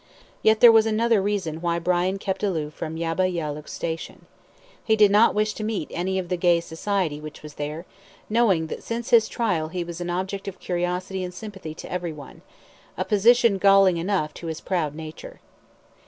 Yet there was another reason why Brian kept aloof from Yabba Yallook station. He did not wish to meet any of the gay society which was there, knowing that since his trial he was an object of curiosity and sympathy to everyone a position galling enough to his proud nature.